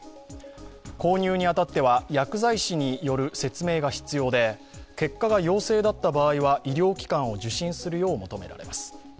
購入にあたっては薬剤師による説明が必要で結果が陽性だった場合は医療機関を受診するよう求められます。